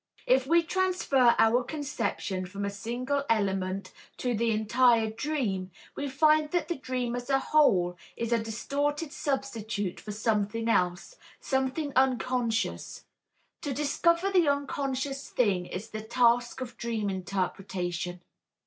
If we transfer our conception from a single element to the entire dream, we find that the dream as a whole is a distorted substitute for something else, something unconscious. To discover this unconscious thing is the task of dream interpretation.